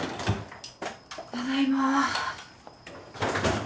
ただいま。